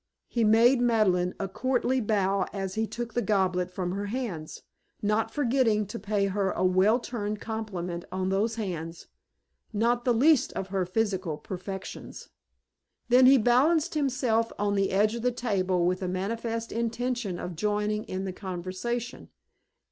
He made Madeleine a courtly bow as he took the goblet from her hands, not forgetting to pay her a well turned compliment on those hands, not the least of her physical perfections. Then he balanced himself on the edge of the table with a manifest intention of joining in the conversation.